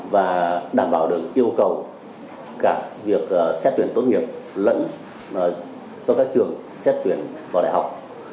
và đảm bảo được yêu cầu cả việc xét tuyển tốt nghiệp lẫn cho các trường xét tuyển vào đại học